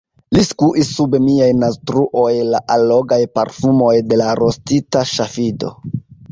Li skuis sub miaj naztruoj la allogaj parfumoj de la rostita ŝafido.